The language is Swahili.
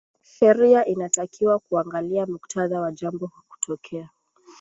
sheria inatakiwa kuangalia muktadha wa jambo kutokea